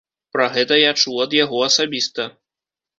Пра гэта я чуў ад яго асабіста.